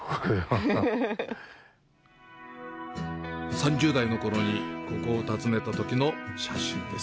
３０代の頃に、ここを訪ねたときの写真です。